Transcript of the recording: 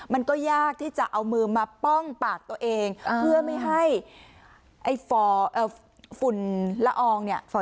มันก็ยากที่จะเอามือมาป้องปากตัวเองเพื่อไม่ให้ฝุ่นละอองเนี่ย